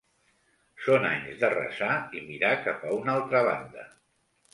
Són anys de resar i mirar cap a una altra banda.